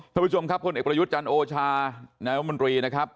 ท่านผู้ชมครับพลเอกประยุทธ์จันทร์โอชานายมนตรีนะครับ